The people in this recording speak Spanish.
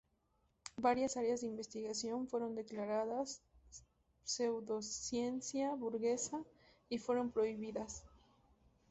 Varias áreas de investigación fueron declaradas "pseudociencia burguesa" y fueron prohibidas.